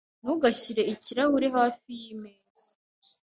Ntugashyire ikirahure hafi yimeza.